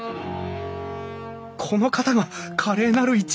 この方が華麗なる一族！